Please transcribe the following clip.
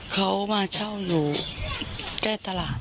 เขามาเช่าหนูแก้ตลาด